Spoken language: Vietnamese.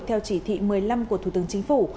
theo chỉ thị một mươi năm của thủ tướng chính phủ